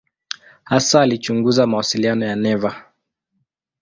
Hasa alichunguza mawasiliano ya neva.